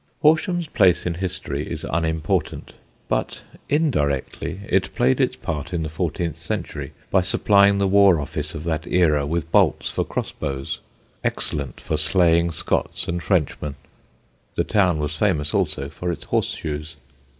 Horsham's place in history is unimportant: but indirectly it played its part in the fourteenth century, by supplying the War Office of that era with bolts for cross bows, excellent for slaying Scots and Frenchmen. The town was famous also for its horseshoes.